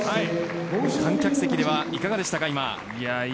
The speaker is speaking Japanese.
観客席ではいかがでしたか、今。